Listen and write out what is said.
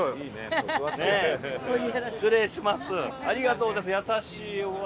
失礼します。